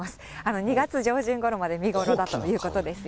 ２月上旬ごろまで見頃だということですよ。